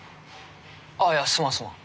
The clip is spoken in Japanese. ああいやすまんすまん。